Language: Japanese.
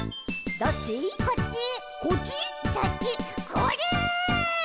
「これ！！」